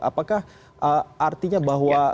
apakah artinya ya pembekuan darah itu terjadi pada yang muda dok